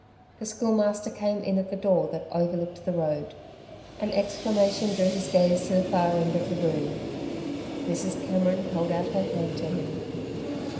The Schoolmaster came in at the door that overlooked the road. An exclamation drew his gaze to the far end of the room. Mrs. Cameron held out her hand to him.